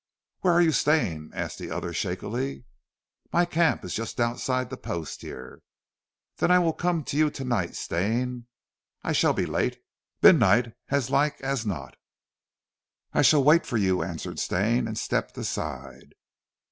"Where are you staying?" asked the other shakily. "My camp is just outside the post here." "Then I will come to you tonight, Stane. I shall be late midnight as like as not." "I shall wait for you," answered Stane, and stepped aside.